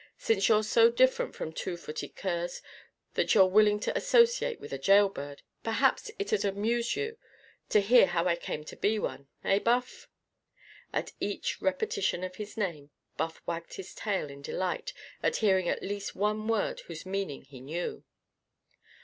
Since you're so different from two footed curs, that you're willing to associate with a jail bird, perhaps it'd amuse you to hear how I came to be one. Eh, Buff?" At each repetition of his name, Buff wagged his tail in delight at hearing at least one word whose meaning he knew.